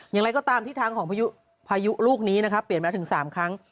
อย่างไรก็ตามทิศทางของพายุลูกนี้นะครับเปลี่ยนมาแล้วถึง๓ครั้ง